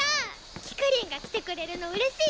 キクリンが来てくれるのうれしい！